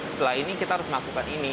setelah ini kita harus melakukan ini